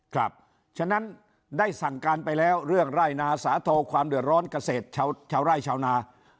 ฉะนั้นได้สั่งการไปแล้วเรื่องไร่นาสาโทความเดือดร้อนเกษตรชาวไร่ชาวนา